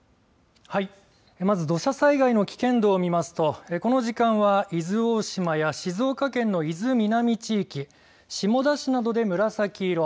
まず、土砂災害の危険度を見ますとこの時間は伊豆大島や静岡県の伊豆南地域下田市などで紫色。